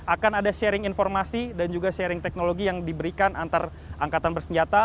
akan ada sharing informasi dan juga sharing teknologi yang diberikan antar angkatan bersenjata